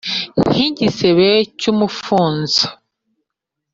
nkigisebe cyumufunzo.